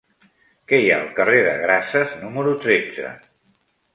Què hi ha al carrer de Grases número tretze?